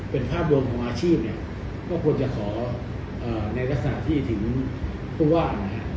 เป็นภาพรวมของอาชีพเนี่ยก็ควรจะขอในลักษณะที่ถึงผู้ว่านะฮะ